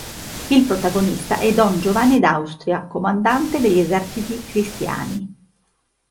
Il protagonista è don Giovanni d'Austria, comandante degli eserciti cristiani.